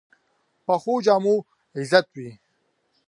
پخو جامو عزت وي